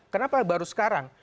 kenapa baru sekarang